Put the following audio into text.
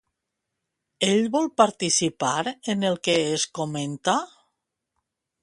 Ell vol participar en el que es comenta?